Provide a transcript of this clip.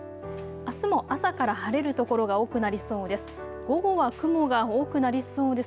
あすも朝から晴れる所が多くなりそうです。